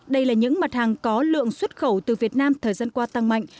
đây là những mặt hàng có lượng xuất khẩu từ việt nam thời gian qua tăng mạnh